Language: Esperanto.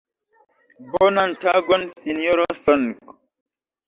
Bonan tagon Sinjoro Song.